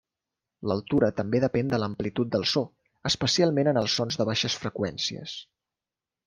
L'altura també depèn de l'amplitud del so, especialment en els sons de baixes freqüències.